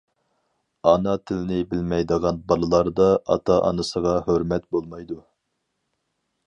ئانا تىلنى بىلمەيدىغان بالىلاردا ئاتا-ئانىسىغا ھۆرمەت بولمايدۇ.